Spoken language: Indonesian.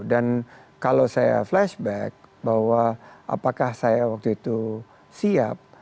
dan kalau saya flashback bahwa apakah saya waktu itu siap